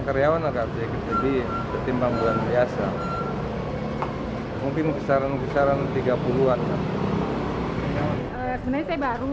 karyawan agak sedikit lebih ketimbang bulan biasa mungkin besaran kisaran tiga puluh an sebenarnya saya baru